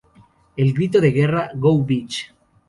El grito de guerra, "Go Beach!